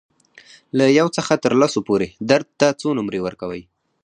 له یو څخه تر لسو پورې درد ته څو نمرې ورکوئ؟